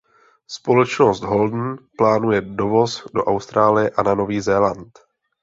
Společnost Holden plánuje dovoz do Austrálie a na Nový Zéland.